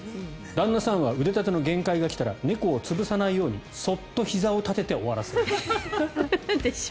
旦那さんは腕立ての限界が来たら猫を潰さないようにそっとひざを立てて終わらせる。